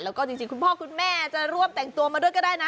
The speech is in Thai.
แล้วก็จริงคุณพ่อคุณแม่จะร่วมแต่งตัวมาด้วยก็ได้นะ